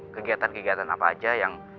kegiatan kegiatan apa aja yang